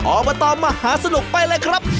อบตมหาสนุกไปเลยครับ